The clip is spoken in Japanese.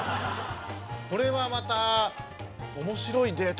これはまた面白いデータだな。